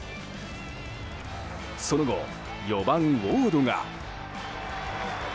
その後、４番、ウォードが。